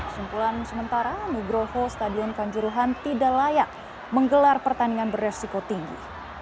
simpulan sementara nugroho stadion kanjuruhan tidak layak menggelar pertandingan beresiko tinggi